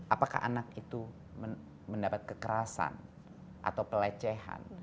apakah anak itu mendapat kekerasan atau pelecehan